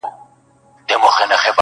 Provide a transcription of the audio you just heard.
o وږی په خوب ټيکۍ ويني٫